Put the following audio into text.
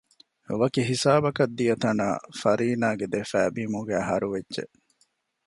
ވަކި ހިސާބަކަށް ދިޔަތަނާ ފަރީނާގެ ދެފައި ބިމުގައި ހަރުވެއްޖެ